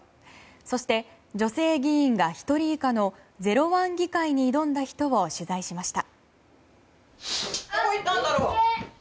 そして、女性議員が１人以下のゼロワン議会に挑んだ人を取材しました。